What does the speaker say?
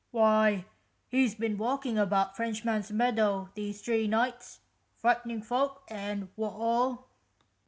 "Why, he's been walking about French man's Meadow these three nights, frightening folk and what all."